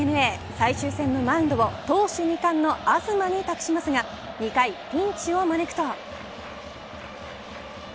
最終戦のマウンドを投手２冠の東に託しますが２回、ピンチを招くと。